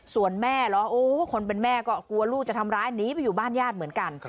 ส่วนแม่เหรอโอ้คนเป็นแม่ก็กลัวลูกจะทำร้ายหนีไปอยู่บ้านญาติเหมือนกัน